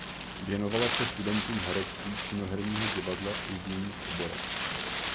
Věnovala se studentům herectví činoherního divadla i v jiných oborech.